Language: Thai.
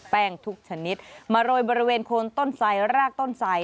แป้งทุกชนิดมาโรยบริเวณโคนต้นไสรากต้นไส